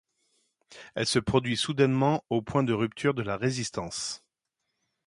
Elle se produit soudainement au point de rupture de la résistance.